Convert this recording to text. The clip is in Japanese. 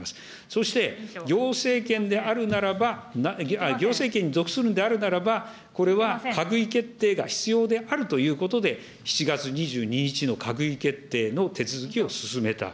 そして、行政権であるならば、行政権に属するのであるならば、これは閣議決定が必要であるということで、７月２２日の閣議決定の手続きを進めた。